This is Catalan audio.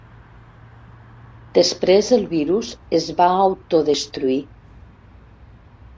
Després el virus es va autodestruir.